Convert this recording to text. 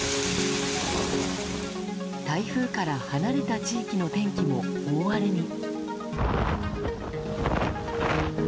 台風から離れた地域の天気も大荒れに。